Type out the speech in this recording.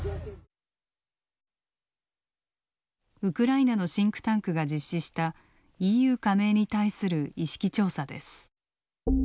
ウクライナのシンクタンクが実施したＥＵ加盟に対する意識調査です。